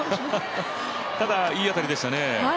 ただ、いい当たりでしたね。